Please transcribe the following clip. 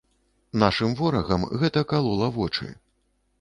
Нашым ворагам гэта калола вочы.